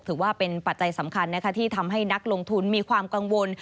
ปัจจัยสำคัญที่ทำให้นักลงทุนมีความกังวล